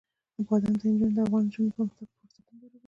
بادام د افغان نجونو د پرمختګ لپاره فرصتونه برابروي.